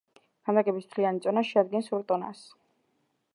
ქანდაკების მთლიანი წონა შეადგენს ორ ტონას.